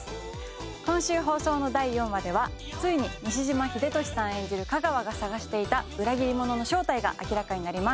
今週放送の第４話ではついに西島秀俊さん演じる架川が捜していた裏切り者の正体が明らかになります。